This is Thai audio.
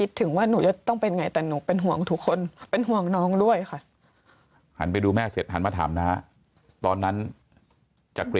เจาะหน้าผากเหมือนกันเลยเหรอ